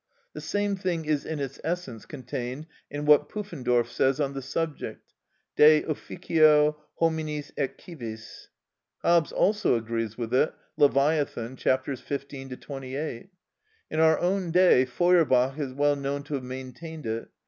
The same thing is in its essence contained in what Puffendorf says on the subject, "De Officio Hominis et Civis" (Bk. ii. chap. 12). Hobbes also agrees with it, "Leviathan" (chaps. 15 28). In our own day Feurbach is well known to have maintained it.